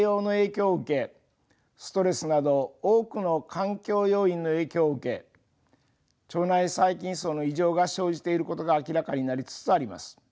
ストレスなど多くの環境要因の影響を受け腸内細菌そうの異常が生じていることが明らかになりつつあります。